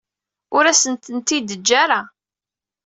Ur asent-tent-id-teǧǧa ara.